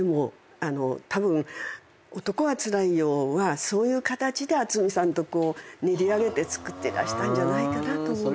たぶん『男はつらいよ』はそういう形で渥美さんと練りあげて作ってらしたんじゃないかなと思うんですよね。